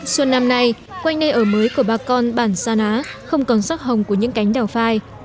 xuân năm nay quanh nơi ở mới của bà con bản sa ná không còn sắc hồng của những cánh đào phai